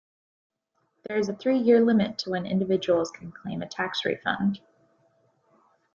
There is a three-year limit to when individuals can claim a tax refund.